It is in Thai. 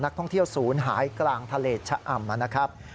นักท่องเที่ยวศูนย์หายกลางทะเลชะอ่ำนะครับ